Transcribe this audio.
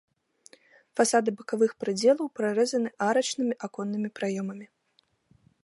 Фасады бакавых прыдзелаў прарэзаны арачнымі аконнымі праёмамі.